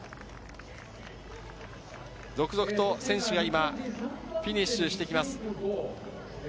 続々と選手がフィニッシュしてきます。